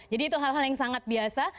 jadi itu hal hal yang sangat biasa